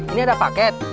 ini ada paket